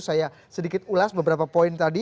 saya sedikit ulas beberapa poin tadi